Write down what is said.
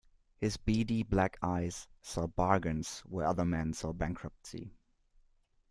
His beady black eyes saw bargains where other men saw bankruptcy.